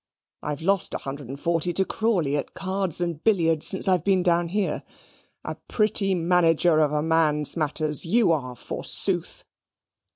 I've lost a hundred and forty to Crawley at cards and billiards since I've been down here. A pretty manager of a man's matters YOU are, forsooth."